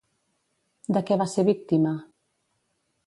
De què va ser víctima?